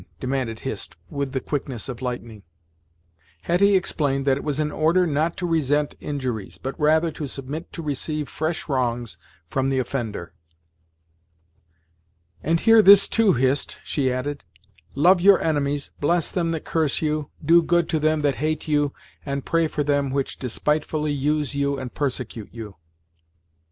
demanded Hist, with the quickness of lightning. Hetty explained that it was an order not to resent injuries, but rather to submit to receive fresh wrongs from the offender. "And hear this, too, Hist," she added. "'Love your enemies, bless them that curse you, do good to them that hate you, and pray for them which despitefully use you and persecute you.'"